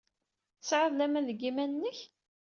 Tesɛid laman deg yiman-nnek?